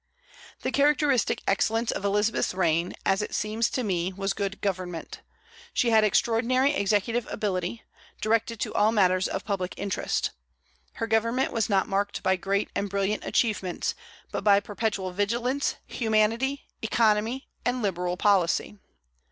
The characteristic excellence of Elizabeth's reign, as it seems to me, was good government. She had extraordinary executive ability, directed to all matters of public interest. Her government was not marked by great and brilliant achievements, but by perpetual vigilance, humanity, economy, and liberal policy.